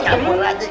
ya ampun laki laki